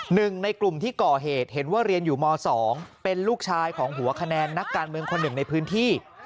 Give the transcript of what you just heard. หนึ่งในกลุ่มที่ก่อเหตุเห็นว่าเรียนอยู่ม๒เป็นลูกชายของหัวคะแนนนักการเมืองคนหนึ่งในพื้นที่